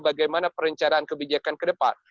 bagaimana perencanaan kebijakan ke depan